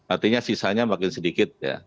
artinya sisanya makin sedikit